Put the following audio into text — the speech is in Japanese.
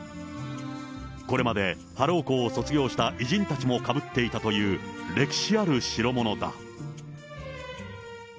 これまでハロウ校を卒業した偉人たちもかぶっていたという、歴史ある代物だ。